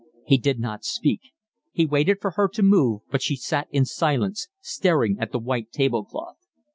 He did not speak. He waited for her to move, but she sat in silence, staring at the white tablecloth.